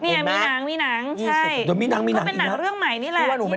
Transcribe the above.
เนี่ยมีหนังมีหนังใช่เป็นหนังเรื่องใหม่นี่แหละ